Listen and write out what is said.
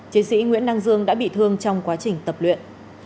chiến sĩ nguyễn đăng dương đã bị thương trong quá trình tập luyện